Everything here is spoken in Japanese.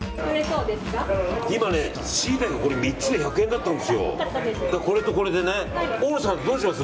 今ね、シイタケ３つで１００円だったんですよ。